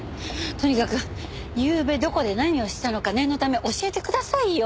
とにかくゆうべどこで何をしてたのか念のため教えてくださいよ。